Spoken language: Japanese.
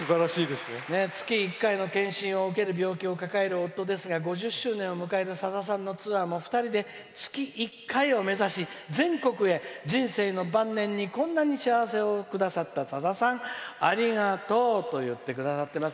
「月１回の検診を受ける病気を抱える夫ですが５０周年を迎えるさださんのツアーも２人で月１回を目指し全国へ、人生の晩年にこんなに幸せをくださったさださん、ありがとう」と言ってくださっています。